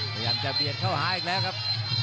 พยายามจะเบียดเข้าหาอีกแล้วครับ